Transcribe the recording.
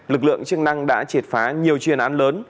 lực lượng chức năng đã triệt phá nhiều chuyên án lớn